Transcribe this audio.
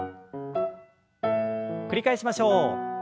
繰り返しましょう。